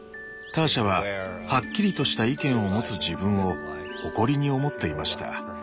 ターシャははっきりとした意見を持つ自分を誇りに思っていました。